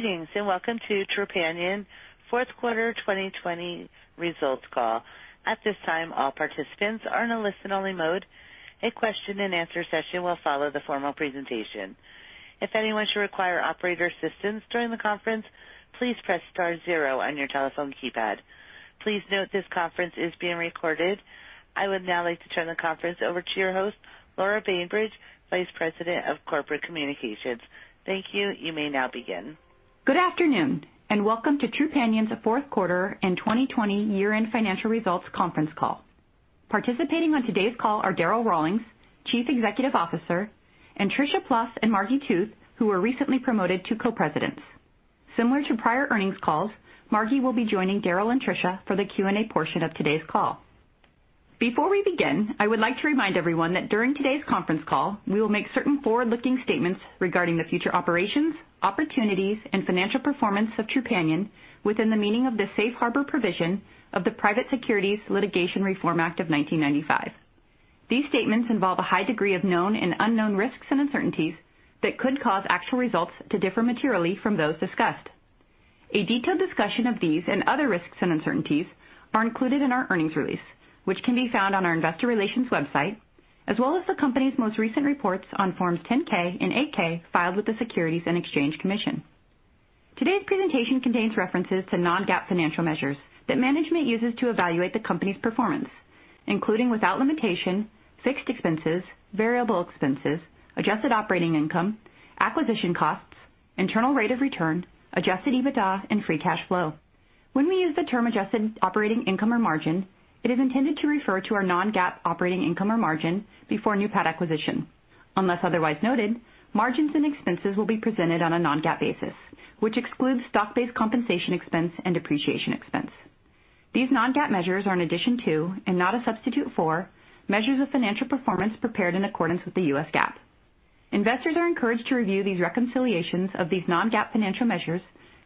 Greetings and welcome to Trupanion Fourth Quarter 2020 Results Call. At this time, all participants are in a listen-only mode. A question-and-answer session will follow the formal presentation. If anyone should require operator assistance during the conference, please press star zero on your telephone keypad. Please note this conference is being recorded. I would now like to turn the conference over to your host, Laura Bainbridge, Vice President of Corporate Communications. Thank you. You may now begin. Good afternoon and welcome to Trupanion's Fourth Quarter and 2020 Year-End Financial Results conference call. Participating on today's call are Darryl Rawlings, Chief Executive Officer, and Tricia Plouf and Margi Tooth, who were recently promoted to co-presidents. Similar to prior earnings calls, Margi will be joining Darryl and Tricia for the Q&A portion of today's call. Before we begin, I would like to remind everyone that during today's conference call, we will make certain forward-looking statements regarding the future operations, opportunities, and financial performance of Trupanion within the meaning of the safe harbor provision of the Private Securities Litigation Reform Act of 1995. These statements involve a high degree of known and unknown risks and uncertainties that could cause actual results to differ materially from those discussed. A detailed discussion of these and other risks and uncertainties are included in our earnings release, which can be found on our investor relations website, as well as the company's most recent reports on Forms 10-K and 8-K filed with the Securities and Exchange Commission. Today's presentation contains references to non-GAAP financial measures that management uses to evaluate the company's performance, including without limitation, fixed expenses, variable expenses, adjusted operating income, acquisition costs, internal rate of return, adjusted EBITDA, and free cash flow. When we use the term adjusted operating income or margin, it is intended to refer to our non-GAAP operating income or margin before new pet acquisition. Unless otherwise noted, margins and expenses will be presented on a non-GAAP basis, which excludes stock-based compensation expense and depreciation expense. These non-GAAP measures are an addition to, and not a substitute for, measures of financial performance prepared in accordance with the U.S. GAAP. Investors are encouraged to review these reconciliations of these non-GAAP financial measures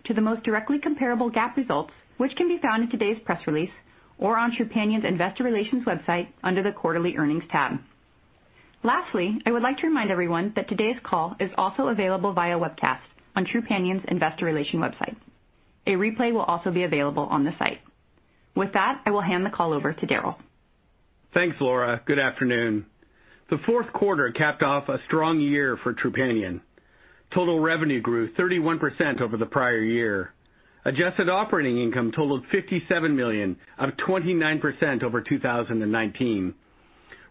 to the most directly comparable GAAP results, which can be found in today's press release or on Trupanion's investor relations website under the quarterly earnings tab. Lastly, I would like to remind everyone that today's call is also available via webcast on Trupanion's investor relations website. A replay will also be available on the site. With that, I will hand the call over to Darryl. Thanks, Laura. Good afternoon. The fourth quarter capped off a strong year for Trupanion. Total revenue grew 31% over the prior year. Adjusted Operating Income totaled $57 million, up 29% over 2019.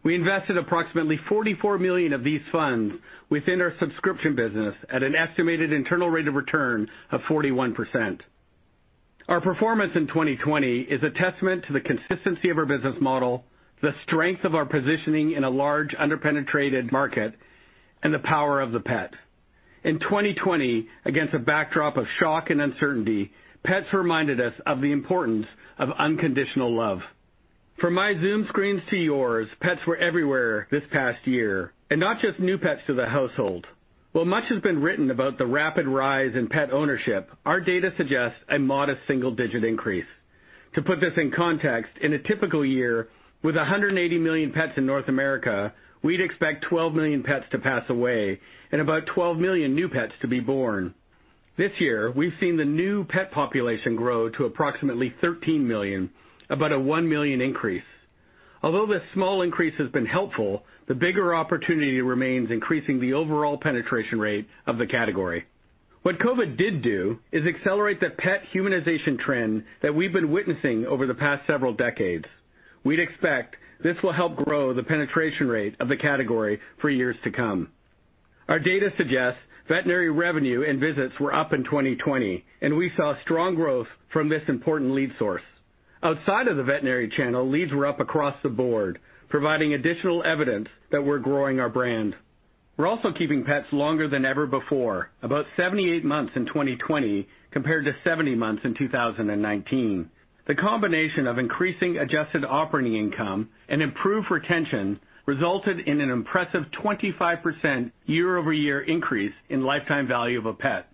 We invested approximately $44 million of these funds within our subscription business at an estimated Internal Rate of Return of 41%. Our performance in 2020 is a testament to the consistency of our business model, the strength of our positioning in a large under-penetrated market, and the power of the pet. In 2020, against a backdrop of shock and uncertainty, pets reminded us of the importance of unconditional love. From my Zoom screens to yours, pets were everywhere this past year, and not just new pets to the household. While much has been written about the rapid rise in pet ownership, our data suggests a modest single-digit increase. To put this in context, in a typical year with 180 million pets in North America, we'd expect 12 million pets to pass away and about 12 million new pets to be born. This year, we've seen the new pet population grow to approximately 13 million, about a one million increase. Although this small increase has been helpful, the bigger opportunity remains in increasing the overall penetration rate of the category. What COVID did do is accelerate the pet humanization trend that we've been witnessing over the past several decades. We'd expect this will help grow the penetration rate of the category for years to come. Our data suggests veterinary revenue and visits were up in 2020, and we saw strong growth from this important lead source. Outside of the veterinary channel, leads were up across the board, providing additional evidence that we're growing our brand. We're also keeping pets longer than ever before, about 78 months in 2020 compared to 70 months in 2019. The combination of increasing adjusted operating income and improved retention resulted in an impressive 25% year-over-year increase in lifetime value of a pet.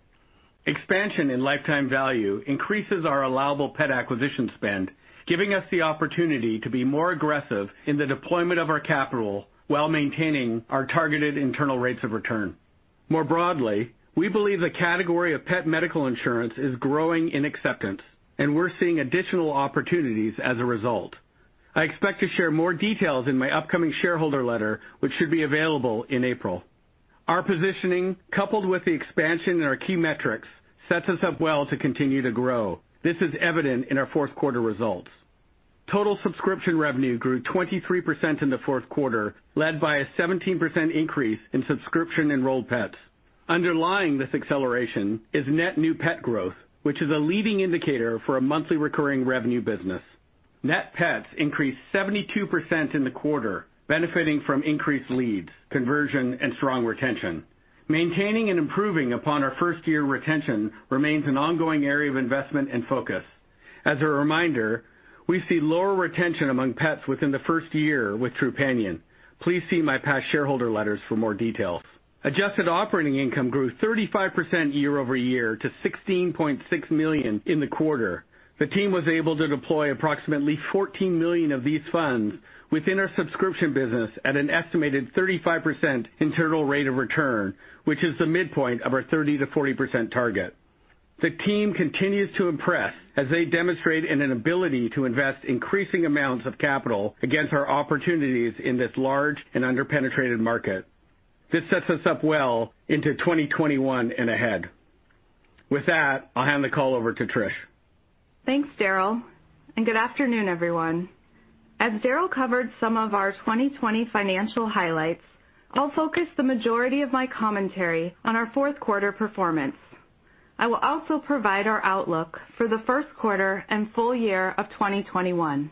Expansion in lifetime value increases our allowable pet acquisition spend, giving us the opportunity to be more aggressive in the deployment of our capital while maintaining our targeted internal rates of return. More broadly, we believe the category of pet medical insurance is growing in acceptance, and we're seeing additional opportunities as a result. I expect to share more details in my upcoming shareholder letter, which should be available in April. Our positioning, coupled with the expansion in our key metrics, sets us up well to continue to grow. This is evident in our fourth quarter results. Total subscription revenue grew 23% in the fourth quarter, led by a 17% increase in subscription-enrolled pets. Underlying this acceleration is net new pet growth, which is a leading indicator for a monthly recurring revenue business. Net pets increased 72% in the quarter, benefiting from increased leads, conversion, and strong retention. Maintaining and improving upon our first-year retention remains an ongoing area of investment and focus. As a reminder, we see lower retention among pets within the first year with Trupanion. Please see my past shareholder letters for more details. Adjusted operating income grew 35% year-over-year to $16.6 million in the quarter. The team was able to deploy approximately $14 million of these funds within our subscription business at an estimated 35% internal rate of return, which is the midpoint of our 30%-40% target. The team continues to impress as they demonstrate an ability to invest increasing amounts of capital against our opportunities in this large and under-penetrated market. This sets us up well into 2021 and ahead. With that, I'll hand the call over to Tricia. Thanks, Darryl, and good afternoon, everyone. As Darryl covered some of our 2020 financial highlights, I'll focus the majority of my commentary on our fourth quarter performance. I will also provide our outlook for the first quarter and full year of 2021.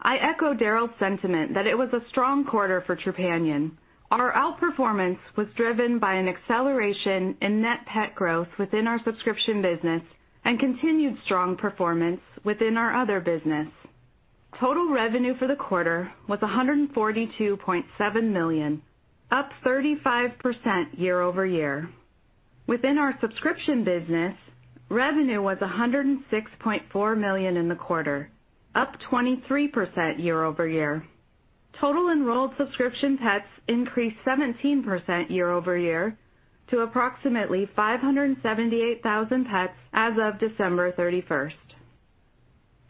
I echo Darryl's sentiment that it was a strong quarter for Trupanion. Our outperformance was driven by an acceleration in net pet growth within our subscription business and continued strong performance within our other business. Total revenue for the quarter was $142.7 million, up 35% year-over-year. Within our subscription business, revenue was $106.4 million in the quarter, up 23% year-over-year. Total enrolled subscription pets increased 17% year-over-year to approximately 578,000 pets as of December 31, 2023.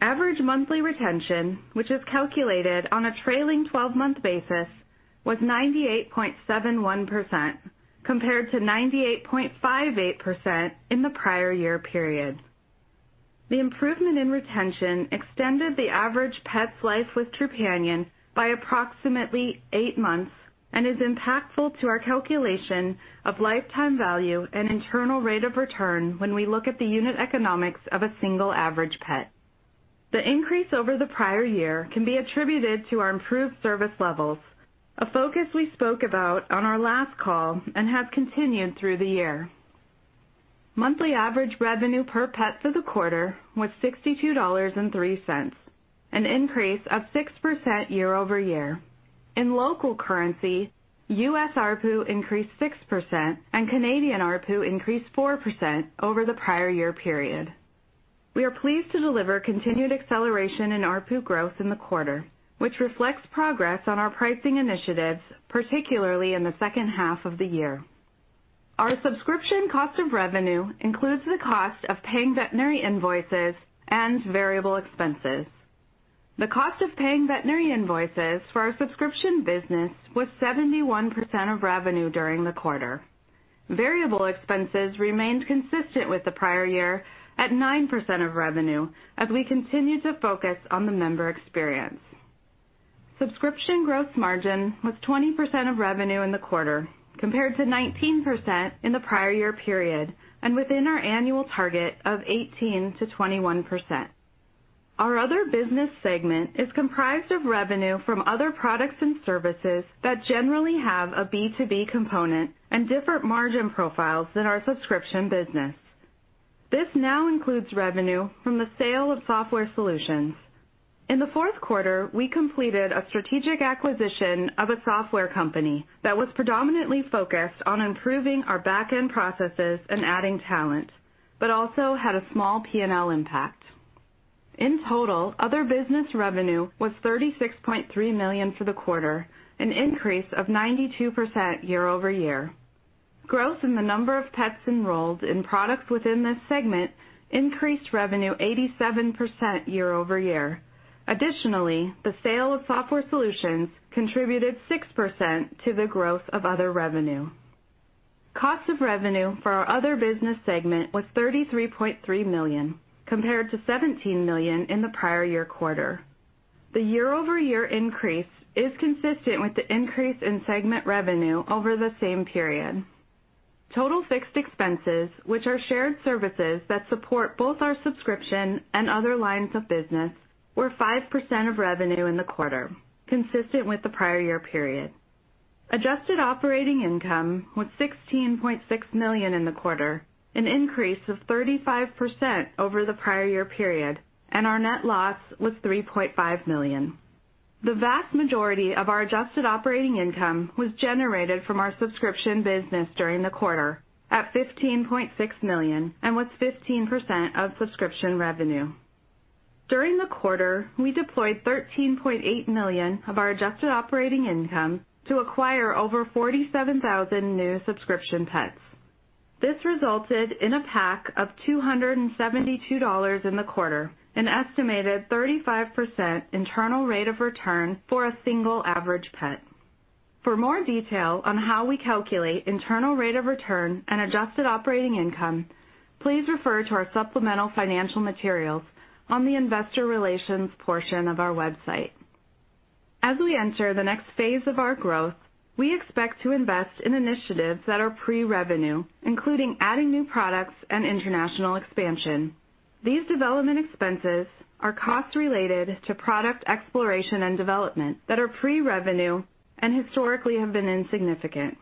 Average monthly retention, which is calculated on a trailing 12-month basis, was 98.71% compared to 98.58% in the prior year period. The improvement in retention extended the average pet's life with Trupanion by approximately eight months and is impactful to our calculation of lifetime value and internal rate of return when we look at the unit economics of a single average pet. The increase over the prior year can be attributed to our improved service levels, a focus we spoke about on our last call and has continued through the year. Monthly average revenue per pet for the quarter was $62.03, an increase of 6% year-over-year. In local currency, U.S. ARPU increased 6% and Canadian ARPU increased 4% over the prior year period. We are pleased to deliver continued acceleration in ARPU growth in the quarter, which reflects progress on our pricing initiatives, particularly in the second half of the year. Our subscription cost of revenue includes the cost of paying veterinary invoices and variable expenses. The cost of paying veterinary invoices for our subscription business was 71% of revenue during the quarter. Variable expenses remained consistent with the prior year at 9% of revenue as we continue to focus on the member experience. Subscription gross margin was 20% of revenue in the quarter compared to 19% in the prior year period and within our annual target of 18%-21%. Our other business segment is comprised of revenue from other products and services that generally have a B2B component and different margin profiles than our subscription business. This now includes revenue from the sale of software solutions. In the fourth quarter, we completed a strategic acquisition of a software company that was predominantly focused on improving our back-end processes and adding talent, but also had a small P&L impact. In total, other business revenue was $36.3 million for the quarter, an increase of 92% year-over-year. Growth in the number of pets enrolled in products within this segment increased revenue 87% year-over-year. Additionally, the sale of software solutions contributed 6% to the growth of other revenue. Cost of revenue for our other business segment was $33.3 million compared to $17 million in the prior year quarter. The year-over-year increase is consistent with the increase in segment revenue over the same period. Total fixed expenses, which are shared services that support both our subscription and other lines of business, were 5% of revenue in the quarter, consistent with the prior year period. Adjusted operating income was $16.6 million in the quarter, an increase of 35% over the prior year period, and our net loss was $3.5 million. The vast majority of our adjusted operating income was generated from our subscription business during the quarter at $15.6 million and was 15% of subscription revenue. During the quarter, we deployed $13.8 million of our adjusted operating income to acquire over 47,000 new subscription pets. This resulted in a PAC of $272 in the quarter, an estimated 35% internal rate of return for a single average pet. For more detail on how we calculate internal rate of return and adjusted operating income, please refer to our supplemental financial materials on the investor relations portion of our website. As we enter the next phase of our growth, we expect to invest in initiatives that are pre-revenue, including adding new products and international expansion. These development expenses are cost-related to product exploration and development that are pre-revenue and historically have been insignificant.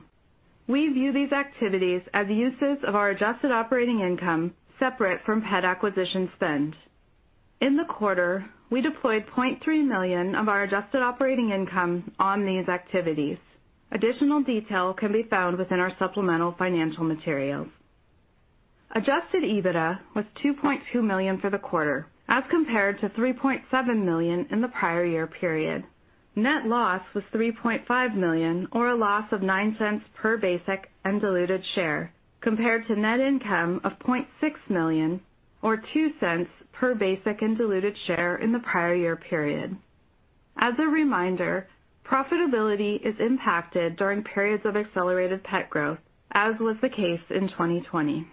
We view these activities as uses of our adjusted operating income separate from pet acquisition spend. In the quarter, we deployed $0.3 million of our adjusted operating income on these activities. Additional detail can be found within our supplemental financial materials. Adjusted EBITDA was $2.2 million for the quarter, as compared to $3.7 million in the prior year period. Net loss was $3.5 million, or a loss of $0.09 per basic and diluted share, compared to net income of $0.6 million, or $0.02 per basic and diluted share in the prior year period. As a reminder, profitability is impacted during periods of accelerated pet growth, as was the case in 2020.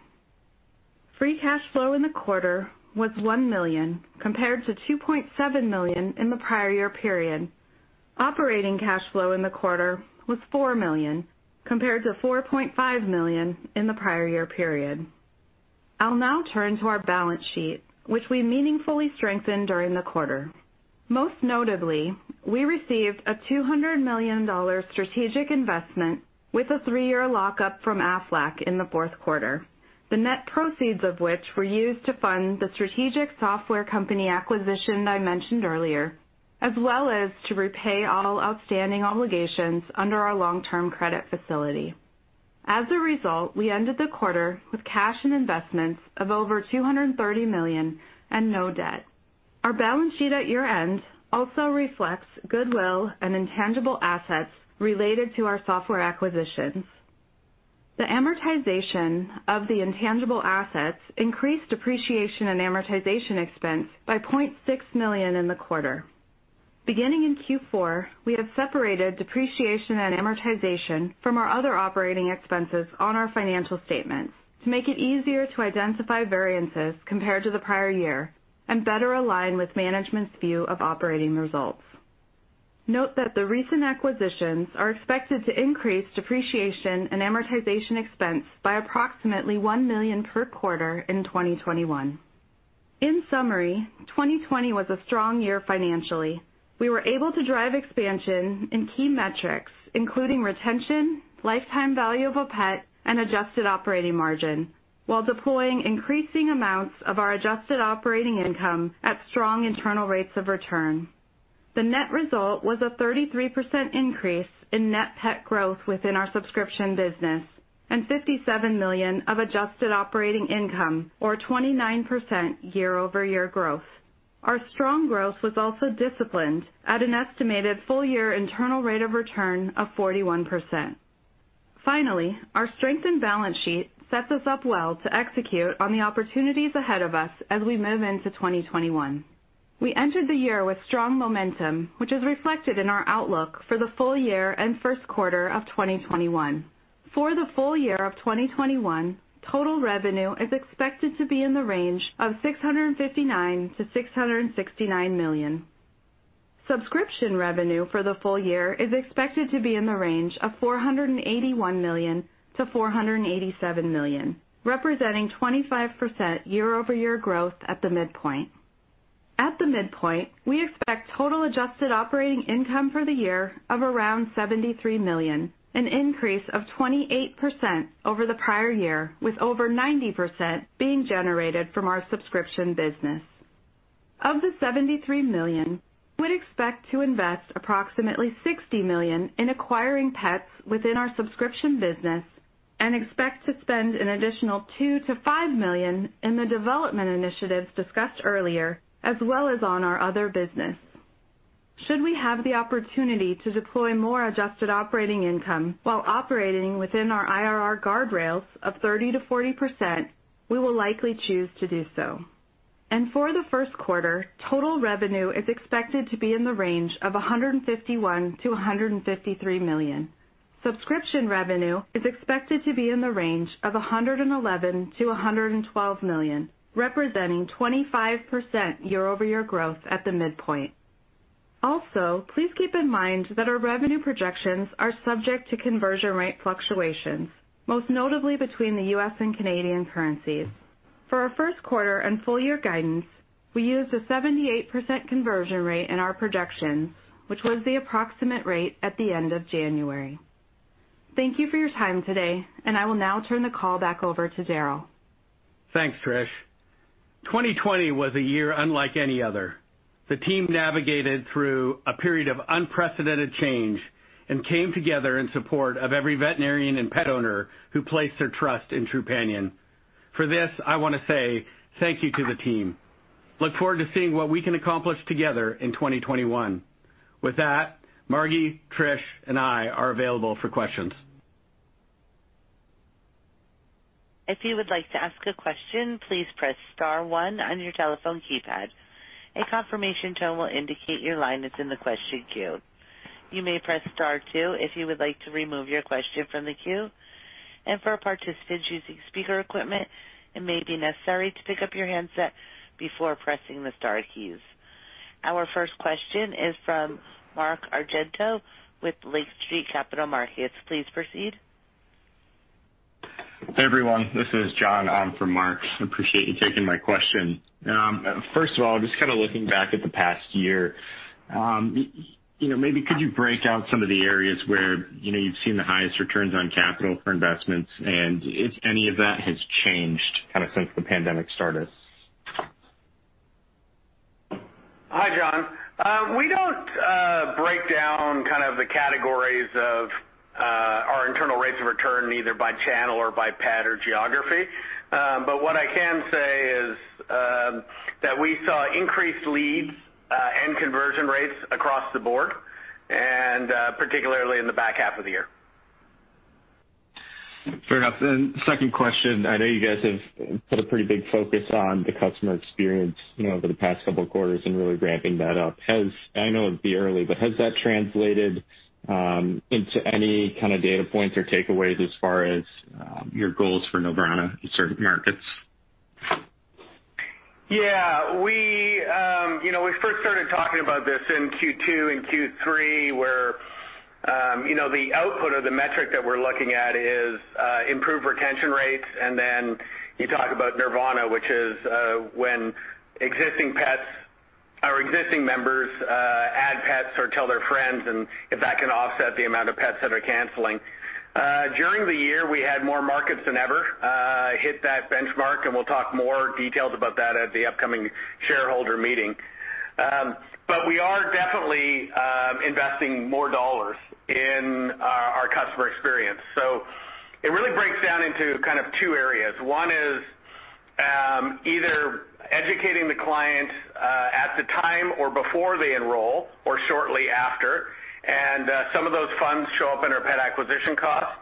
Free Cash Flow in the quarter was $1 million, compared to $2.7 million in the prior year period. Operating cash flow in the quarter was $4 million, compared to $4.5 million in the prior year period. I'll now turn to our balance sheet, which we meaningfully strengthened during the quarter. Most notably, we received a $200 million strategic investment with a three-year lockup from Aflac in the fourth quarter, the net proceeds of which were used to fund the strategic software company acquisition I mentioned earlier, as well as to repay all outstanding obligations under our long-term credit facility. As a result, we ended the quarter with cash and investments of over $230 million and no debt. Our balance sheet at year-end also reflects goodwill and intangible assets related to our software acquisitions. The amortization of the intangible assets increased depreciation and amortization expense by $0.6 million in the quarter. Beginning in Q4, we have separated depreciation and amortization from our other operating expenses on our financial statements to make it easier to identify variances compared to the prior year and better align with management's view of operating results. Note that the recent acquisitions are expected to increase depreciation and amortization expense by approximately $1 million per quarter in 2021. In summary, 2020 was a strong year financially. We were able to drive expansion in key metrics, including retention, lifetime value of a pet, and adjusted operating margin, while deploying increasing amounts of our adjusted operating income at strong internal rates of return. The net result was a 33% increase in net pet growth within our subscription business and $57 million of adjusted operating income, or 29% year-over-year growth. Our strong growth was also disciplined at an estimated full-year internal rate of return of 41%. Finally, our strengthened balance sheet sets us up well to execute on the opportunities ahead of us as we move into 2021. We entered the year with strong momentum, which is reflected in our outlook for the full year and first quarter of 2021. For the full year of 2021, total revenue is expected to be in the range of $659 million-$669 million. Subscription revenue for the full year is expected to be in the range of $481-$487 million, representing 25% year-over-year growth at the midpoint. At the midpoint, we expect total adjusted operating income for the year of around $73 million, an increase of 28% over the prior year, with over 90% being generated from our subscription business. Of the $73 million, we would expect to invest approximately $60 million in acquiring pets within our subscription business and expect to spend an additional $2 million -$5 million in the development initiatives discussed earlier, as well as on our other business. Should we have the opportunity to deploy more adjusted operating income while operating within our IRR guardrails of 30%-40%, we will likely choose to do so. For the first quarter, total revenue is expected to be in the range of $151 million-$153 million. Subscription revenue is expected to be in the range of $111 million-$112 million, representing 25% year-over-year growth at the midpoint. Also, please keep in mind that our revenue projections are subject to conversion rate fluctuations, most notably between the U.S. and Canadian currencies. For our first quarter and full-year guidance, we used a 78% conversion rate in our projections, which was the approximate rate at the end of January. Thank you for your time today, and I will now turn the call back over to Darryl. Thanks, Tricia. 2020 was a year unlike any other. The team navigated through a period of unprecedented change and came together in support of every veterinarian and pet owner who placed their trust in Trupanion. For this, I want to say thank you to the team. Look forward to seeing what we can accomplish together in 2021. With that, Margi, Tricia, and I are available for questions. If you would like to ask a question, please press star one on your telephone keypad. A confirmation tone will indicate your line is in the question queue. You may press star two if you would like to remove your question from the queue. And for participants using speaker equipment, it may be necessary to pick up your handset before pressing the star keys. Our first question is from Mark Argento with Lake Street Capital Markets. Please proceed. Hey, everyone. This is John. I'm from Mark's. I appreciate you taking my question. First of all, just kind of looking back at the past year, maybe could you break out some of the areas where you've seen the highest returns on capital for investments, and if any of that has changed kind of since the pandemic started? Hi, John. We don't break down kind of the categories of our internal rates of return either by channel or by pet or geography. But what I can say is that we saw increased leads and conversion rates across the board, and particularly in the back half of the year. Fair enough. And second question, I know you guys have put a pretty big focus on the customer experience over the past couple of quarters and really ramping that up. I know it'd be early, but has that translated into any kind of data points or takeaways as far as your goals for Nirvana in certain markets? Yeah. We first started talking about this in Q2 and Q3, where the output of the metric that we're looking at is improved retention rates, and then you talk about Nirvana, which is when existing pets or existing members add pets or tell their friends, and if that can offset the amount of pets that are canceling. During the year, we had more markets than ever hit that benchmark, and we'll talk more details about that at the upcoming shareholder meeting, but we are definitely investing more dollars in our customer experience, so it really breaks down into kind of two areas. One is either educating the client at the time or before they enroll or shortly after, and some of those funds show up in our pet acquisition cost.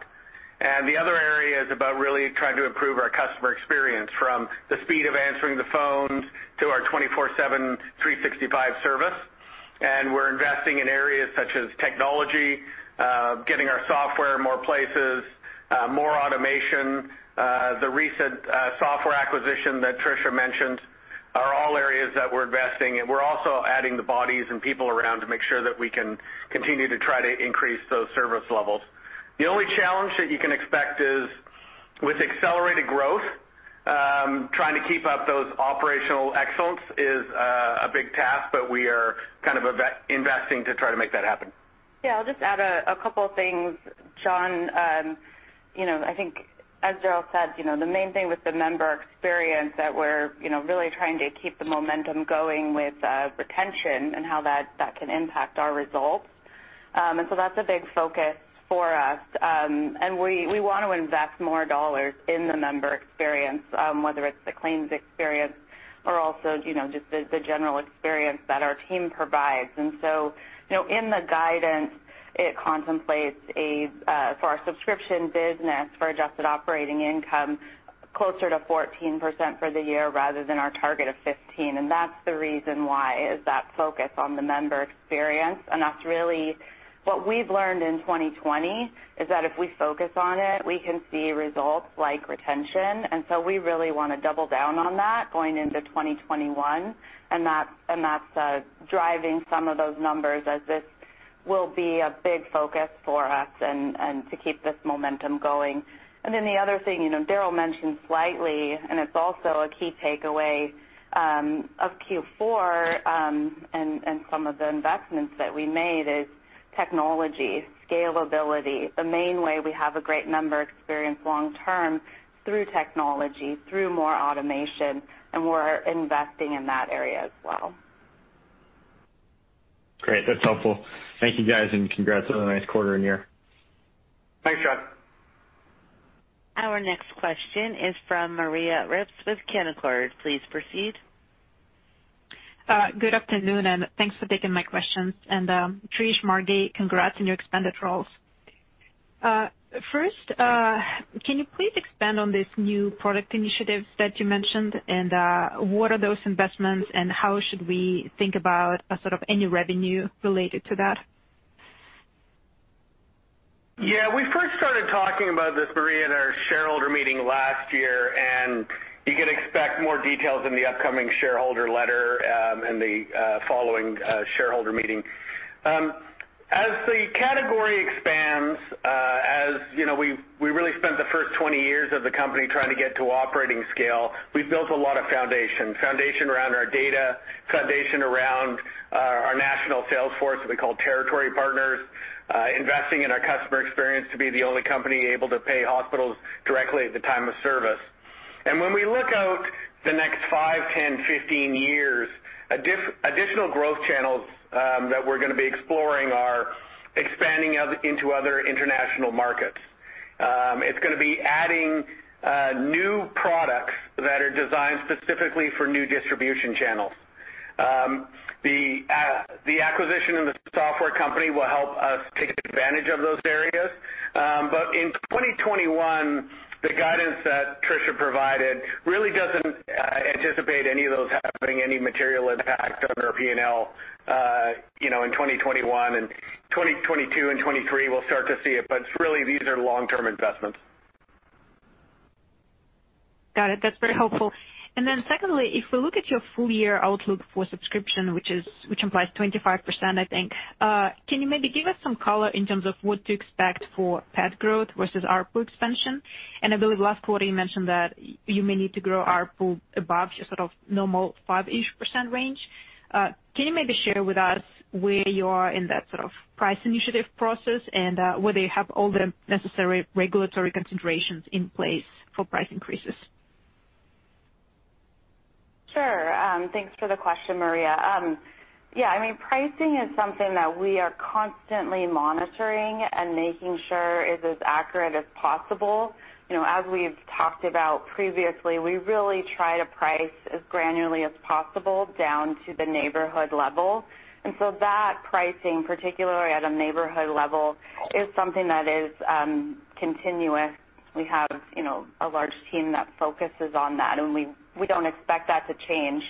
And the other area is about really trying to improve our customer experience from the speed of answering the phones to our 24/7/365 service. And we're investing in areas such as technology, getting our software in more places, more automation. The recent software acquisition that Tricia mentioned are all areas that we're investing in. We're also adding the bodies and people around to make sure that we can continue to try to increase those service levels. The only challenge that you can expect is with accelerated growth, trying to keep up those operational excellence is a big task, but we are kind of investing to try to make that happen. Yeah. I'll just add a couple of things. John, I think, as Darryl said, the main thing with the member experience that we're really trying to keep the momentum going with retention and how that can impact our results, and so that's a big focus for us. And we want to invest more dollars in the member experience, whether it's the claims experience or also just the general experience that our team provides, and so in the guidance, it contemplates for our subscription business for adjusted operating income closer to 14% for the year rather than our target of 15%. And that's the reason why is that focus on the member experience. And that's really what we've learned in 2020, is that if we focus on it, we can see results like retention. And so we really want to double down on that going into 2021. That's driving some of those numbers as this will be a big focus for us and to keep this momentum going. The other thing Darryl mentioned slightly, and it's also a key takeaway of Q4 and some of the investments that we made, is technology, scalability. The main way we have a great member experience long-term is through technology, through more automation. We're investing in that area as well. Great. That's helpful. Thank you, guys, and congrats on a nice quarter and year. Thanks, John. Our next question is from Maria Ripps with Canaccord. Please proceed. Good afternoon, and thanks for taking my questions. And Tricia, Margi, congrats on your expanded roles. First, can you please expand on this new product initiative that you mentioned, and what are those investments, and how should we think about sort of any revenue related to that? Yeah. We first started talking about this, Maria, at our shareholder meeting last year. And you can expect more details in the upcoming shareholder letter and the following shareholder meeting. As the category expands, as we really spent the first 20 years of the company trying to get to operating scale, we've built a lot of foundation: foundation around our data, foundation around our national sales force, what we call Territory Partners, investing in our customer experience to be the only company able to pay hospitals directly at the time of service. And when we look out the next five, 10, 15 years, additional growth channels that we're going to be exploring are expanding into other international markets. It's going to be adding new products that are designed specifically for new distribution channels. The acquisition of the software company will help us take advantage of those areas. But in 2021, the guidance that Tricia provided really doesn't anticipate any of those having any material impact on our P&L in 2021. And 2022 and 2023, we'll start to see it. But really, these are long-term investments. Got it. That's very helpful. And then secondly, if we look at your full-year outlook for subscription, which implies 25%, I think, can you maybe give us some color in terms of what to expect for pet growth versus ARPU expansion? And I believe last quarter you mentioned that you may need to grow ARPU above your sort of normal 5% each range. Can you maybe share with us where you are in that sort of price initiative process and whether you have all the necessary regulatory considerations in place for price increases? Sure. Thanks for the question, Maria. Yeah. I mean, pricing is something that we are constantly monitoring and making sure is as accurate as possible. As we've talked about previously, we really try to price as granularly as possible down to the neighborhood level. And so that pricing, particularly at a neighborhood level, is something that is continuous. We have a large team that focuses on that, and we don't expect that to change.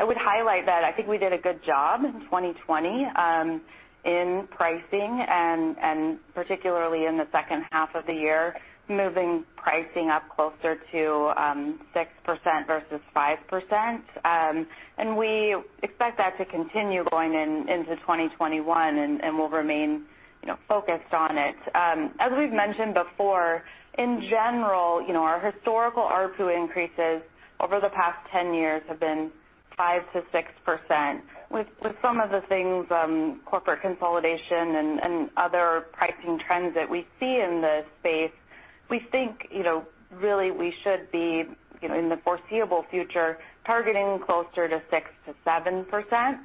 I would highlight that I think we did a good job in 2020 in pricing, and particularly in the second half of the year, moving pricing up closer to 6% versus 5%. And we expect that to continue going into 2021, and we'll remain focused on it. As we've mentioned before, in general, our historical ARPU increases over the past 10 years have been 5% to 6%. With some of the things, corporate consolidation and other pricing trends that we see in the space, we think really we should be, in the foreseeable future, targeting closer to 6%-7%.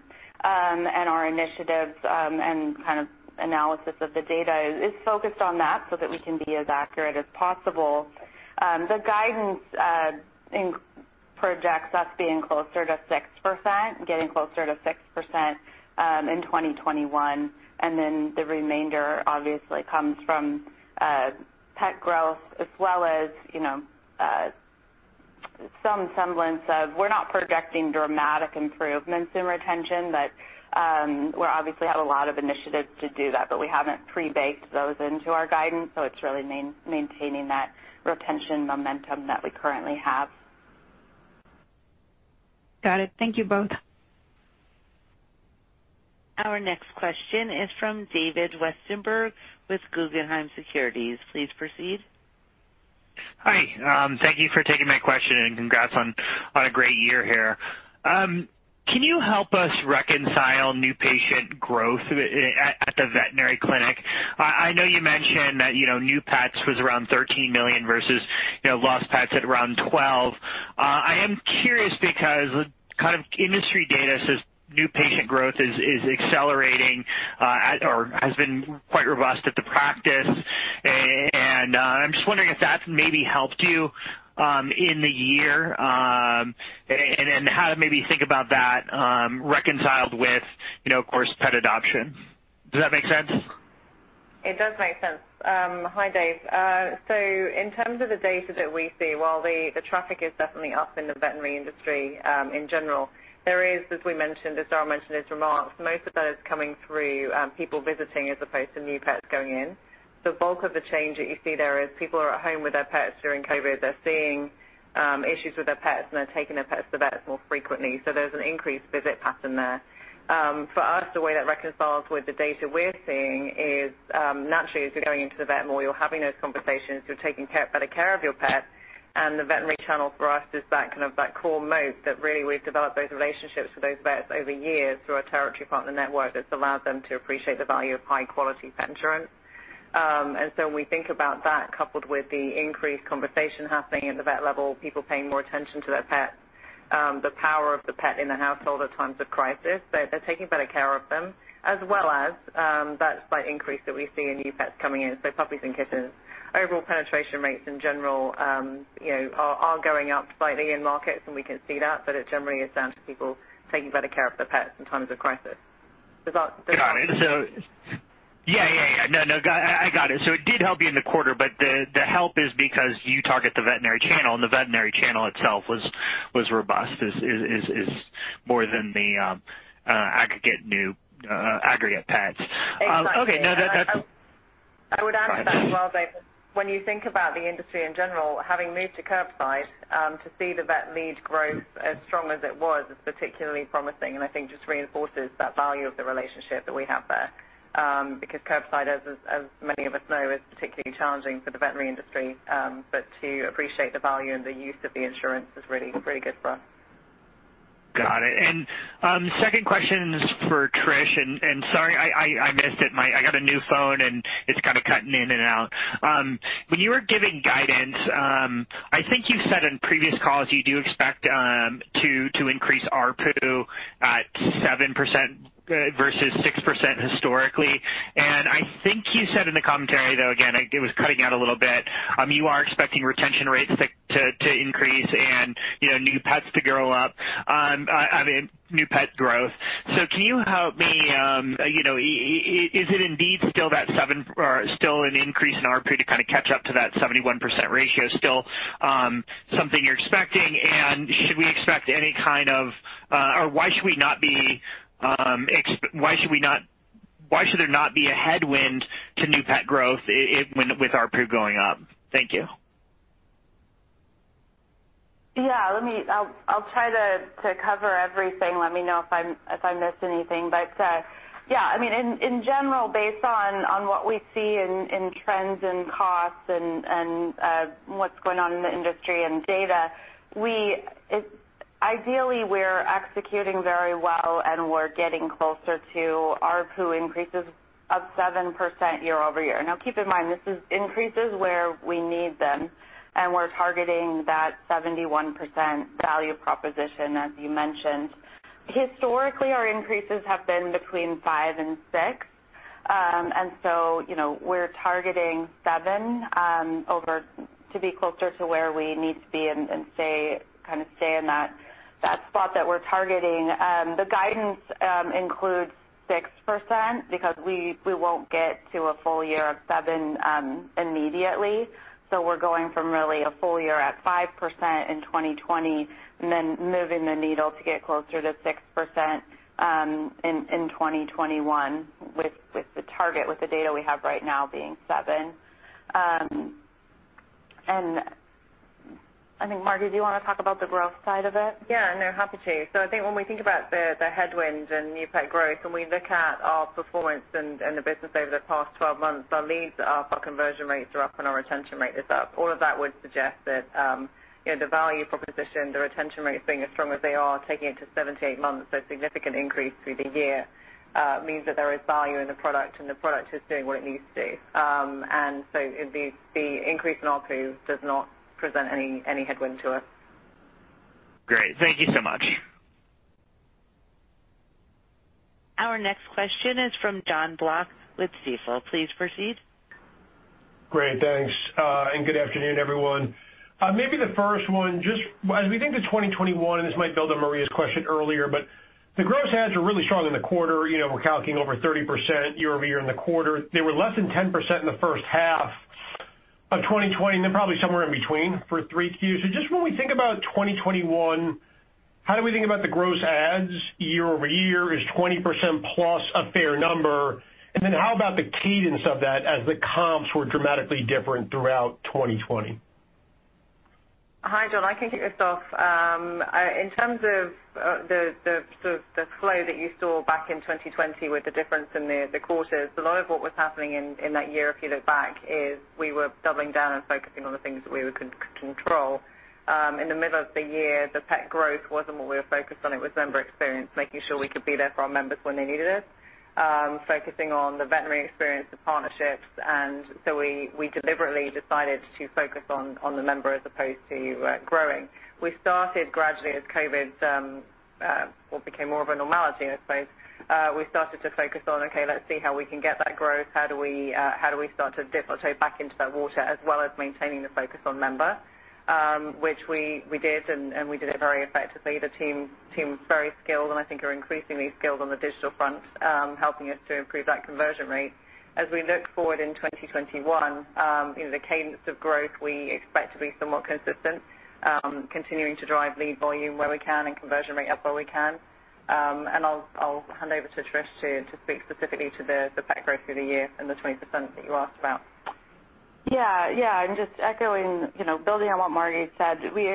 And our initiatives and kind of analysis of the data is focused on that so that we can be as accurate as possible. The guidance projects us being closer to 6%, getting closer to 6% in 2021. And then the remainder obviously comes from pet growth, as well as some semblance of we're not projecting dramatic improvements in retention, but we obviously have a lot of initiatives to do that. But we haven't pre-baked those into our guidance, so it's really maintaining that retention momentum that we currently have. Got it. Thank you both. Our next question is from David Westenberg with Guggenheim Securities. Please proceed. Hi. Thank you for taking my question, and congrats on a great year here. Can you help us reconcile new patient growth at the veterinary clinic? I know you mentioned that new pets was around 13 million versus lost pets at around 12. I am curious because kind of industry data says new patient growth is accelerating or has been quite robust at the practice. And I'm just wondering if that's maybe helped you in the year, and then how to maybe think about that reconciled with, of course, pet adoption. Does that make sense? It does make sense. Hi, Dave. So in terms of the data that we see, while the traffic is definitely up in the veterinary industry in general, there is, as we mentioned, as Darryl mentioned in his remarks, most of that is coming through people visiting as opposed to new pets going in. The bulk of the change that you see there is people are at home with their pets during COVID. They're seeing issues with their pets, and they're taking their pets to vets more frequently. So there's an increased visit pattern there. For us, the way that reconciles with the data we're seeing is naturally, as you're going into the vet more, you're having those conversations, you're taking better care of your pet. And the veterinary channel for us is that kind of core moat that really we've developed those relationships with those vets over years through our territory partner network that's allowed them to appreciate the value of high-quality pet insurance. And so when we think about that coupled with the increased conversation happening at the vet level, people paying more attention to their pets, the power of the pet in the household at times of crisis, they're taking better care of them, as well as that slight increase that we see in new pets coming in. So puppies and kittens, overall penetration rates in general are going up slightly in markets, and we can see that. But it generally is down to people taking better care of their pets in times of crisis. Does that? Got it. Yeah, yeah, yeah. No, no, I got it. So it did help you in the quarter, but the help is because you target the veterinary channel, and the veterinary channel itself was robust, is more than the aggregate new pets. Exactly. Okay. No, that's. I would add to that as well. When you think about the industry in general, having moved to curbside to see the vet lead growth as strong as it was is particularly promising, and I think just reinforces that value of the relationship that we have there because curbside, as many of us know, is particularly challenging for the veterinary industry, but to appreciate the value and the use of the insurance is really good for us. Got it. And second question is for Tricia. And sorry, I missed it. I got a new phone, and it's kind of cutting in and out. When you were giving guidance, I think you said in previous calls you do expect to increase ARPU at 7% versus 6% historically. And I think you said in the commentary, though, again, it was cutting out a little bit, you are expecting retention rates to increase and new pets to grow up, new pet growth. So can you help me? Is it indeed still that 7% or still an increase in ARPU to kind of catch up to that 71% ratio? Still something you're expecting? And should we expect any kind of headwind, or why should there not be a headwind to new pet growth with ARPU going up? Thank you. Yeah. I'll try to cover everything. Let me know if I missed anything. But yeah, I mean, in general, based on what we see in trends and costs and what's going on in the industry and data, ideally, we're executing very well, and we're getting closer to ARPU increases of 7% year-over-year. Now, keep in mind, this is increases where we need them, and we're targeting that 71% value proposition, as you mentioned. Historically, our increases have been between 5% and 6%. And so we're targeting 7% to be closer to where we need to be and kind of stay in that spot that we're targeting. The guidance includes 6% because we won't get to a full year of 7% immediately. So we're going from really a full year at 5% in 2020, and then moving the needle to get closer to 6% in 2021 with the target, with the data we have right now being 7%. And I think, Margi, do you want to talk about the growth side of it? Yeah. No, happy to. So I think when we think about the headwinds and new pet growth, and we look at our performance and the business over the past 12 months, our leads, our conversion rates are up, and our retention rate is up. All of that would suggest that the value proposition, the retention rates being as strong as they are, taking it to seven to eight months, a significant increase through the year means that there is value in the product, and the product is doing what it needs to do. And so the increase in ARPU does not present any headwind to us. Great. Thank you so much. Our next question is from Jon Block with Stifel. Please proceed. Great. Thanks. Good afternoon, everyone. Maybe the first one, just as we think to 2021, and this might build on Maria's question earlier, but the gross adds are really strong in the quarter. We're calculating over 30% year over year in the quarter. They were less than 10% in the first half of 2020, and then probably somewhere in between for three Qs. So just when we think about 2021, how do we think about the gross adds year over year? Is 20% plus a fair number? And then how about the cadence of that as the comps were dramatically different throughout 2020? Hi, Jon. I can kick us off. In terms of the flow that you saw back in 2020 with the difference in the quarters, a lot of what was happening in that year, if you look back, is we were doubling down and focusing on the things that we could control. In the middle of the year, the pet growth wasn't what we were focused on. It was member experience, making sure we could be there for our members when they needed it, focusing on the veterinary experience, the partnerships. And so we deliberately decided to focus on the member as opposed to growing. We started gradually as COVID became more of a normality, I suppose. We started to focus on, "Okay, let's see how we can get that growth. How do we start to dip a toe back into that water," as well as maintaining the focus on member, which we did, and we did it very effectively. The team's very skilled, and I think are increasingly skilled on the digital front, helping us to improve that conversion rate. As we look forward in 2021, the cadence of growth we expect to be somewhat consistent, continuing to drive lead volume where we can and conversion rate up where we can. And I'll hand over to Tricia to speak specifically to the pet growth through the year and the 20% that you asked about. Yeah. Yeah. And just echoing, building on what Margi said, we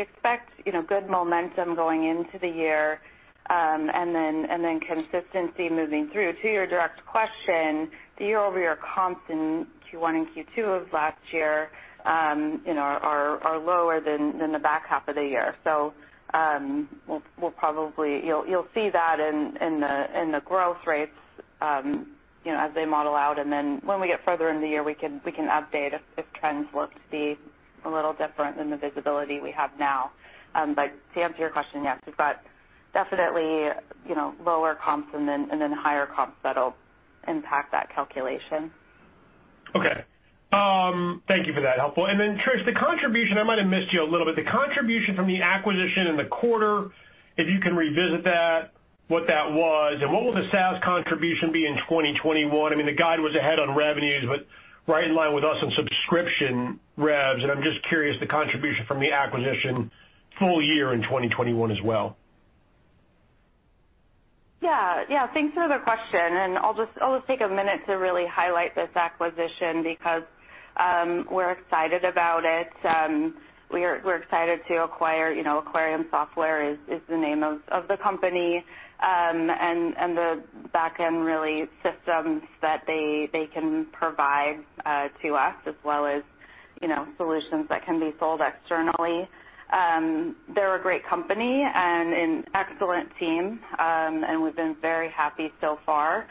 expect good momentum going into the year and then consistency moving through. To your direct question, the year-over-year comps in Q1 and Q2 of last year are lower than the back half of the year. So you'll see that in the growth rates as they model out. And then when we get further into the year, we can update if trends look to be a little different than the visibility we have now. But to answer your question, yes, we've got definitely lower comps and then higher comps that'll impact that calculation. Okay. Thank you for that. Helpful. And then, Tricia, the contribution I might have missed you a little bit. The contribution from the acquisition in the quarter, if you can revisit that, what that was, and what will the SaaS contribution be in 2021? I mean, the guide was ahead on revenues, but right in line with us on subscription revs. And I'm just curious, the contribution from the acquisition full year in 2021 as well. Yeah. Yeah. Thanks for the question. And I'll just take a minute to really highlight this acquisition because we're excited about it. We're excited to acquire Aquarium Software, is the name of the company and the back-end really systems that they can provide to us, as well as solutions that can be sold externally. They're a great company and an excellent team, and we've been very happy so far.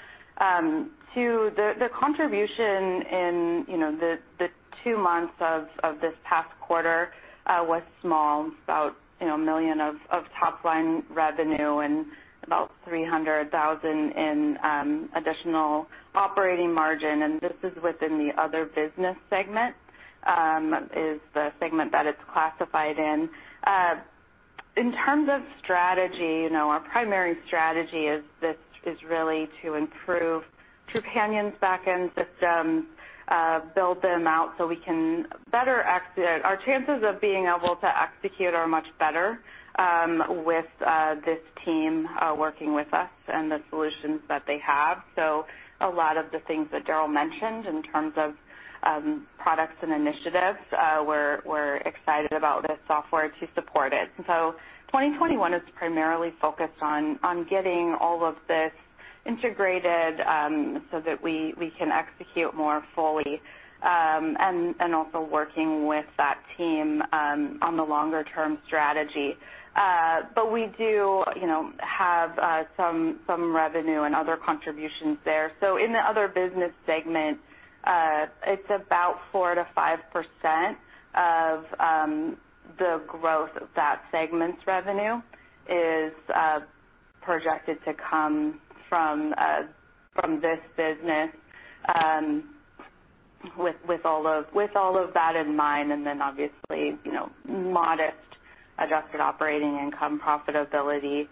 Two, the contribution in the two months of this past quarter was small, about $1 million of top-line revenue and about $300,000 in additional operating margin. And this is within the other business segment, is the segment that it's classified in. In terms of strategy, our primary strategy is really to improve Trupanion's back-end systems, build them out so we can better our chances of being able to execute are much better with this team working with us and the solutions that they have. So a lot of the things that Darryl mentioned in terms of products and initiatives, we're excited about this software to support it. So 2021 is primarily focused on getting all of this integrated so that we can execute more fully and also working with that team on the longer-term strategy. But we do have some revenue and other contributions there. So in the other business segment, it's about 4%-5% of the growth of that segment's revenue is projected to come from this business, with all of that in mind, and then obviously modest adjusted operating income profitability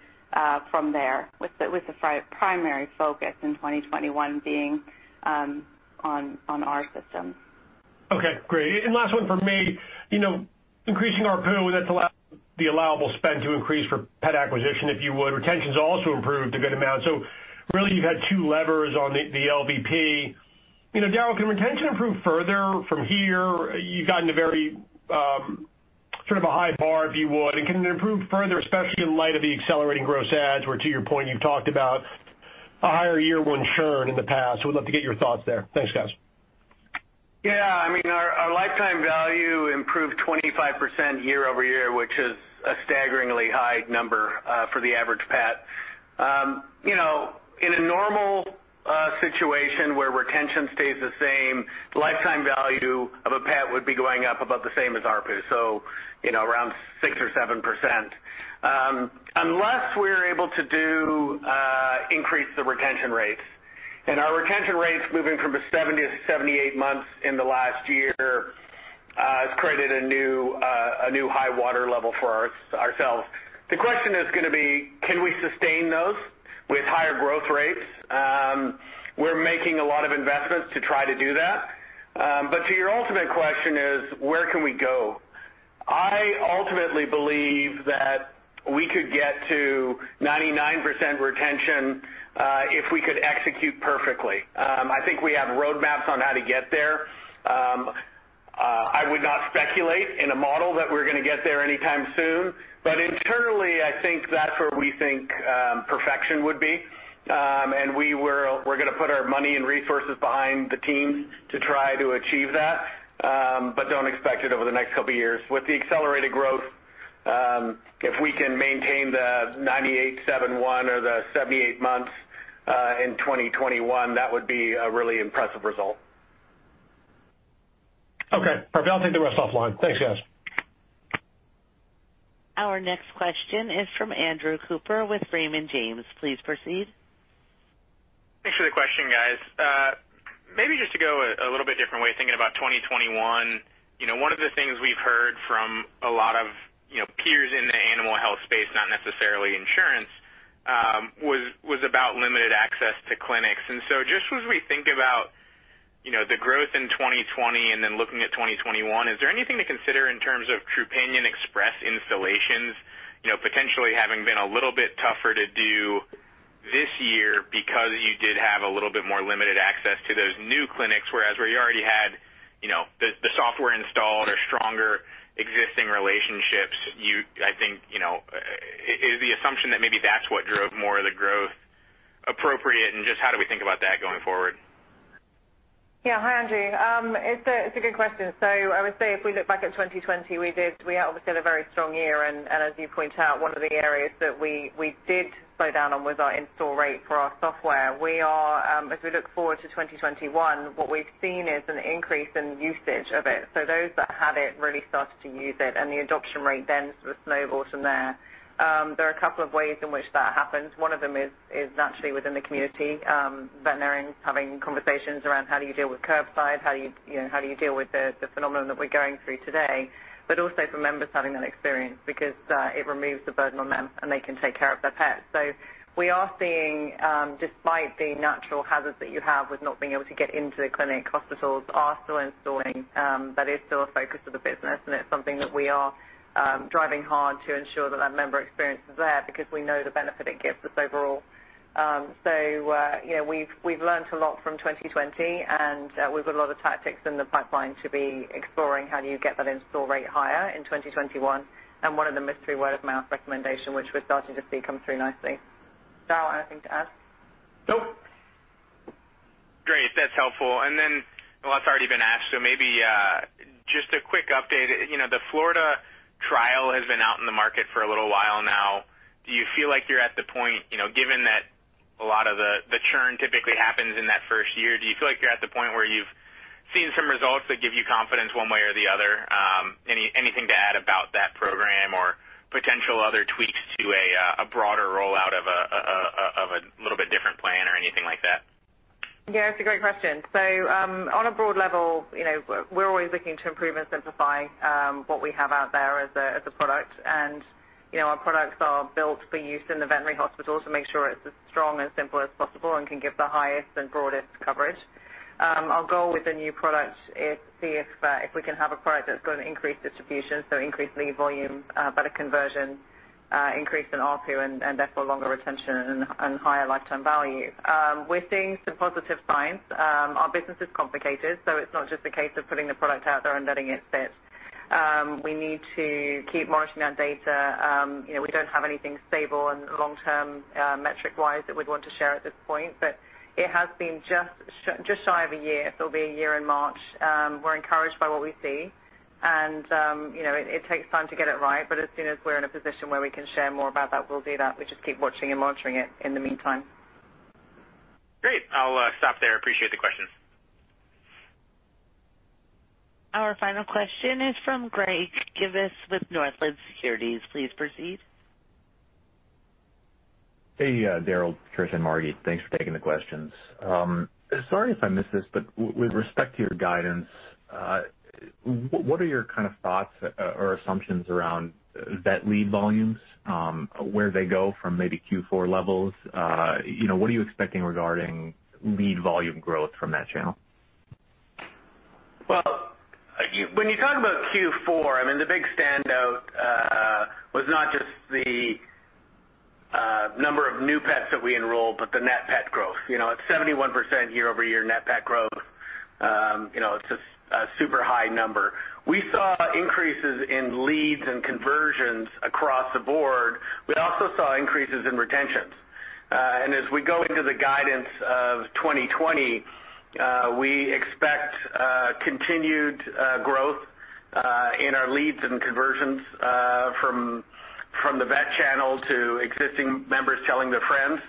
from there, with the primary focus in 2021 being on our system. Okay. Great. And last one for me. Increasing ARPU, that's the allowable spend to increase for pet acquisition, if you would. Retention's also improved a good amount. So really, you've had two levers on the LVP. Darryl, can retention improve further from here? You've gotten to very sort of a high bar, if you would. And can it improve further, especially in light of the accelerating gross adds, where to your point, you've talked about a higher year-one churn in the past? We'd love to get your thoughts there. Thanks, guys. Yeah. I mean, our lifetime value improved 25% year-over-year, which is a staggeringly high number for the average pet. In a normal situation where retention stays the same, the lifetime value of a pet would be going up about the same as ARPU, so around 6% or 7%, unless we're able to increase the retention rates. And our retention rates moving from 70 to 78 months in the last year has created a new high water level for ourselves. The question is going to be, can we sustain those with higher growth rates? We're making a lot of investments to try to do that. But to your ultimate question is, where can we go? I ultimately believe that we could get to 99% retention if we could execute perfectly. I think we have roadmaps on how to get there. I would not speculate in a model that we're going to get there anytime soon, but internally, I think that's where we think perfection would be. And we're going to put our money and resources behind the team to try to achieve that, but don't expect it over the next couple of years. With the accelerated growth, if we can maintain the 98.7% or the 78 months in 2021, that would be a really impressive result. Okay. Perfect. I'll take the rest offline. Thanks, guys. Our next question is from Andrew Cooper with Raymond James. Please proceed. Thanks for the question, guys. Maybe just to go a little bit different way, thinking about 2021, one of the things we've heard from a lot of peers in the animal health space, not necessarily insurance, was about limited access to clinics. And so just as we think about the growth in 2020 and then looking at 2021, is there anything to consider in terms of Trupanion Express installations potentially having been a little bit tougher to do this year because you did have a little bit more limited access to those new clinics, whereas where you already had the software installed or stronger existing relationships? I think is the assumption that maybe that's what drove more of the growth appropriate? And just how do we think about that going forward? Yeah. Hi, Andrew. It's a good question so I would say if we look back at 2020, we obviously had a very strong year and as you point out, one of the areas that we did slow down on was our install rate for our software. As we look forward to 2021, what we've seen is an increase in usage of it so those that had it really started to use it, and the adoption rate then sort of snowballed from there. There are a couple of ways in which that happens. One of them is naturally within the community, veterinarians having conversations around how do you deal with curbside? How do you deal with the phenomenon that we're going through today? But also for members having that experience because it removes the burden on them, and they can take care of their pets. So we are seeing, despite the natural hazards that you have with not being able to get into the clinic, hospitals are still installing. That is still a focus of the business, and it's something that we are driving hard to ensure that that member experience is there because we know the benefit it gives us overall. So we've learned a lot from 2020, and we've got a lot of tactics in the pipeline to be exploring how do you get that install rate higher in 2021. And one of them is through word-of-mouth recommendation, which we're starting to see come through nicely. Darryl, anything to add? Nope. Great. That's helpful and then a lot's already been asked, so maybe just a quick update. The Florida trial has been out in the market for a little while now. Do you feel like you're at the point, given that a lot of the churn typically happens in that first year, do you feel like you're at the point where you've seen some results that give you confidence one way or the other? Anything to add about that program or potential other tweaks to a broader rollout of a little bit different plan or anything like that? Yeah. That's a great question. So on a broad level, we're always looking to improve and simplify what we have out there as a product. Our products are built for use in the veterinary hospitals to make sure it's as strong and simple as possible and can give the highest and broadest coverage. Our goal with the new product is to see if we can have a product that's got an increased distribution, so increased lead volume, better conversion, increase in ARPU, and therefore longer retention and higher lifetime value. We're seeing some positive signs. Our business is complicated, so it's not just a case of putting the product out there and letting it sit. We need to keep monitoring that data. We don't have anything stable and long-term metric-wise that we'd want to share at this point, but it has been just shy of a year. So it'll be a year in March. We're encouraged by what we see, and it takes time to get it right. But as soon as we're in a position where we can share more about that, we'll do that. We just keep watching and monitoring it in the meantime. Great. I'll stop there. Appreciate the questions. Our final question is from Greg Gibas with Northland Securities. Please proceed. Hey, Darryl, Tricia, and Margi. Thanks for taking the questions. Sorry if I missed this, but with respect to your guidance, what are your kind of thoughts or assumptions around vet lead volumes, where they go from maybe Q4 levels? What are you expecting regarding lead volume growth from that channel? When you talk about Q4, I mean, the big standout was not just the number of new pets that we enrolled, but the net pet growth. It's 71% year-over-year net pet growth. It's a super high number. We saw increases in leads and conversions across the board. We also saw increases in retentions. And as we go into the guidance of 2020, we expect continued growth in our leads and conversions from the vet channel to existing members telling their friends.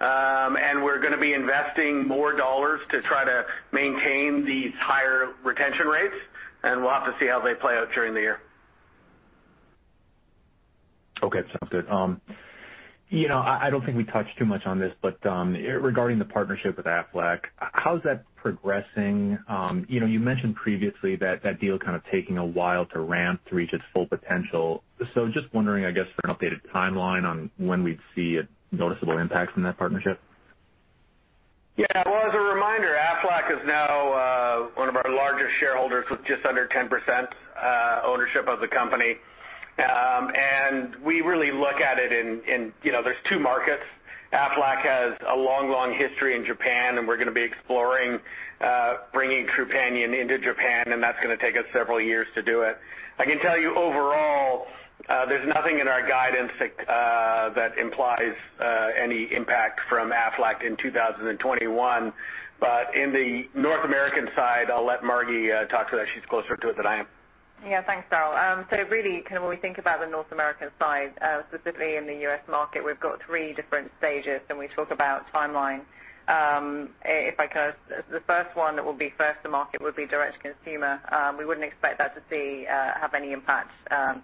And we're going to be investing more dollars to try to maintain these higher retention rates, and we'll have to see how they play out during the year. Okay. Sounds good. I don't think we touched too much on this, but regarding the partnership with Aflac, how's that progressing? You mentioned previously that that deal is kind of taking a while to ramp to reach its full potential. So just wondering, I guess, for an updated timeline on when we'd see a noticeable impact from that partnership. Yeah. Well, as a reminder, Aflac is now one of our largest shareholders with just under 10% ownership of the company. And we really look at it in, there's two markets. Aflac has a long, long history in Japan, and we're going to be exploring bringing Trupanion into Japan, and that's going to take us several years to do it. I can tell you overall, there's nothing in our guidance that implies any impact from Aflac in 2021. But in the North American side, I'll let Margi talk to that. She's closer to it than I am. Yeah. Thanks, Darryl. So really, kind of when we think about the North American side, specifically in the US market, we've got three different stages, and we talk about timeline. If I can, the first one that will be first to market would be direct-to-consumer. We wouldn't expect that to have any impact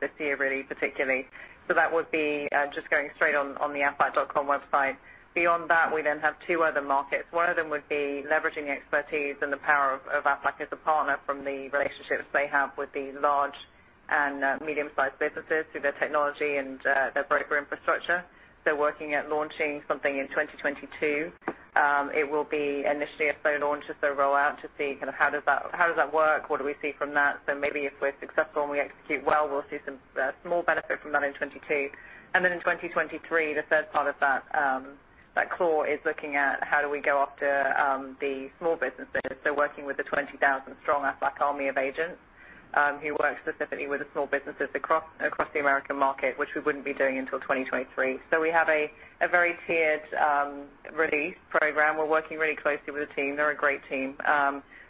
this year, really, particularly. So that would be just going straight on the aflac.com website. Beyond that, we then have two other markets. One of them would be leveraging the expertise and the power of Aflac as a partner from the relationships they have with the large and medium-sized businesses through their technology and their broker infrastructure. So working at launching something in 2022. It will be initially a slow launch and slow rollout to see kind of how does that work, what do we see from that. So maybe if we're successful and we execute well, we'll see some small benefit from that in 2022. And then in 2023, the third part of that core is looking at how do we go after the small businesses. So working with a 20,000-strong Aflac army of agents who work specifically with the small businesses across the American market, which we wouldn't be doing until 2023. So we have a very tiered release program. We're working really closely with the team. They're a great team,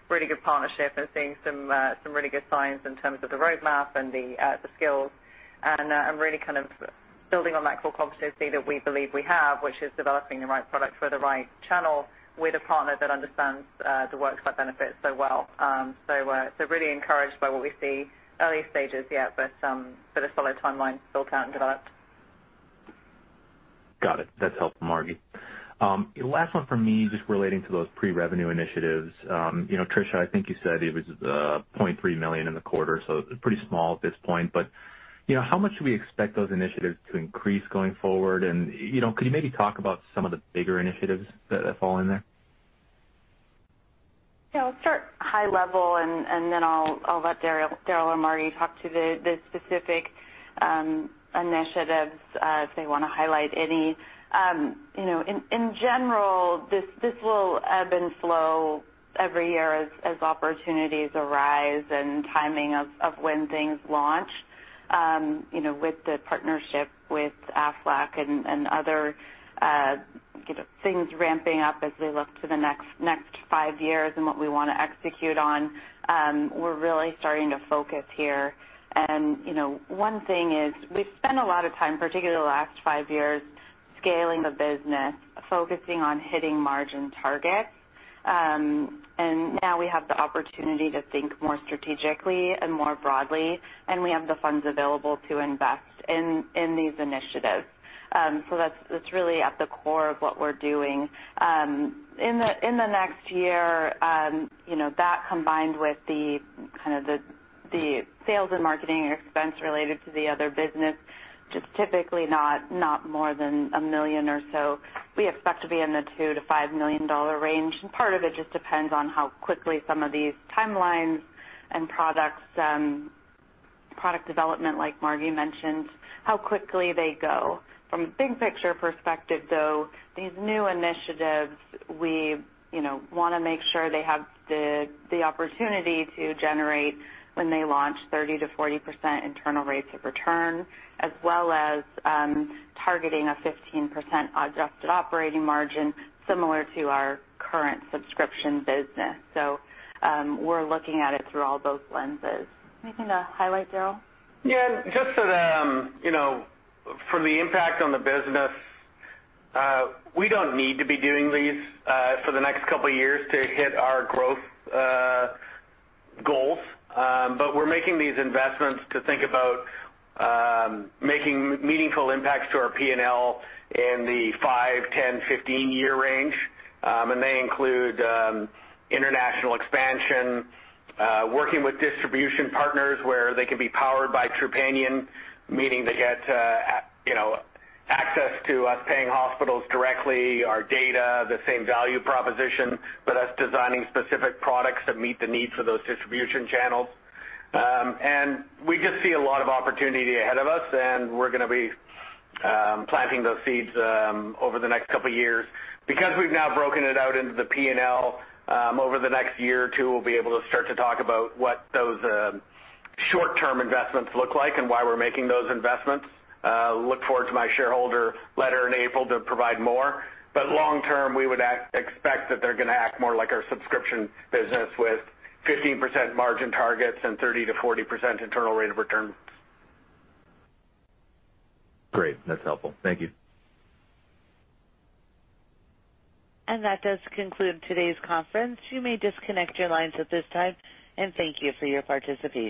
really good partnership, and seeing some really good signs in terms of the roadmap and the skills. And really kind of building on that core competency that we believe we have, which is developing the right product for the right channel with a partner that understands the workplace benefits so well. So really encouraged by what we see. Early stages yet, but a solid timeline built out and developed. Got it. That's helpful, Margi. Last one for me, just relating to those pre-revenue initiatives. Tricia, I think you said it was $0.3 million in the quarter, so pretty small at this point. But how much do we expect those initiatives to increase going forward? And could you maybe talk about some of the bigger initiatives that fall in there? Yeah. I'll start high level, and then I'll let Darryl or Margi talk to the specific initiatives if they want to highlight any. In general, this will ebb and flow every year as opportunities arise and timing of when things launch with the partnership with Aflac and other things ramping up as we look to the next five years and what we want to execute on. We're really starting to focus here. And one thing is we've spent a lot of time, particularly the last five years, scaling the business, focusing on hitting margin targets. And now we have the opportunity to think more strategically and more broadly, and we have the funds available to invest in these initiatives. So that's really at the core of what we're doing. In the next year, that combined with kind of the sales and marketing expense related to the other business, just typically not more than a million or so. We expect to be in the $2 million-$5 million range, and part of it just depends on how quickly some of these timelines and product development, like Margi mentioned, how quickly they go. From a big-picture perspective, though, these new initiatives, we want to make sure they have the opportunity to generate, when they launch, 30%-40% internal rates of return, as well as targeting a 15% adjusted operating margin similar to our current subscription business, so we're looking at it through all those lenses. Anything to highlight, Darryl? Yeah. Just that for the impact on the business, we don't need to be doing these for the next couple of years to hit our growth goals. But we're making these investments to think about making meaningful impacts to our P&L in the five, 10, 15-year range. And they include international expansion, working with distribution partners where they can be powered by Trupanion, meaning they get access to us paying hospitals directly, our data, the same value proposition, but us designing specific products that meet the needs for those distribution channels. And we just see a lot of opportunity ahead of us, and we're going to be planting those seeds over the next couple of years. Because we've now broken it out into the P&L, over the next year or two, we'll be able to start to talk about what those short-term investments look like and why we're making those investments. Look forward to my shareholder letter in April to provide more. But long term, we would expect that they're going to act more like our subscription business with 15% margin targets and 30%-40% internal rate of return. Great. That's helpful. Thank you. That does conclude today's conference. You may disconnect your lines at this time, and thank you for your participation.